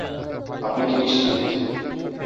আপনি কি নিশ্চিত?